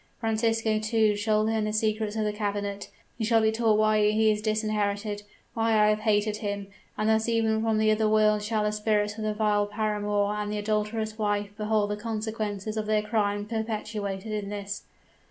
Francisco, too, shall learn the secrets of the cabinet; he shall be taught why he is disinherited why I have hated him: and thus even from the other world shall the spirits of the vile paramour and the adulterous wife behold the consequences of their crime perpetuated in this.'